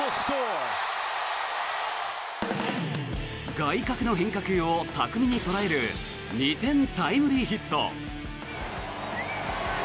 外角の変化球を巧みに捉える２点タイムリーヒット。